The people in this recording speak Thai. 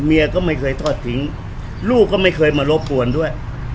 เมียก็ไม่เคยทอดทิ้งลูกก็ไม่เคยมารบกวนด้วย